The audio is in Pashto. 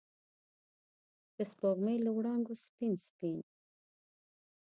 د سپوږمۍ له وړانګو سپین، سپین